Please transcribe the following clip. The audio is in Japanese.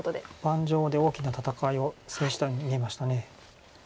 盤上で大きな戦いを制したように見えました。